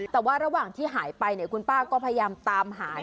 แต่ว่าระหว่างที่หายไปคุณป้าก็พยายามตามหา